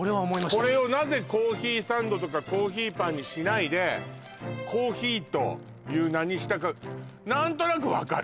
これをなぜコーヒーサンドとかコーヒーパンにしないでコーヒーという名にしたか何となく分かる？